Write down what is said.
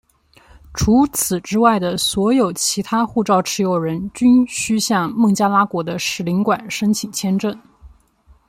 除此之外的所有其他护照持有人均须向孟加拉国的使领馆申请签证。